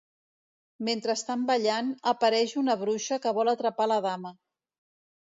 Mentre estan ballant, apareix una bruixa que vol atrapar la dama.